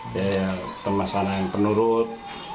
dia termasuk anak yang penurut